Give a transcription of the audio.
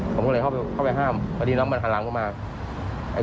ผมก็เลยเข้าไปห้ามพอดีน้องมันหันหลังเข้ามา